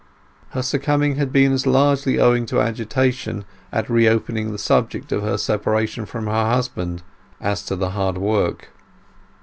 Her succumbing had been as largely owning to agitation at the re opening the subject of her separation from her husband as to the hard work.